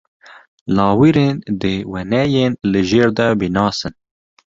Lawirên di wêneyên li jêr de binasin.